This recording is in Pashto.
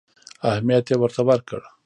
اهمیت یې ورته ورکړ.